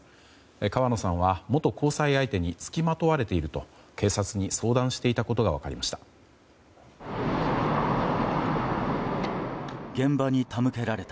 川野さんは元交際相手に付きまとわれていると警察に相談していたことが分かりました。